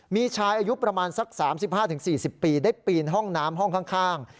มีชายอายุประมาณสัก๓๕๔๐ปีได้ปีนห้องน้ำห้องข้าง